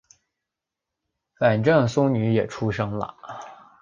反正孙女也出生了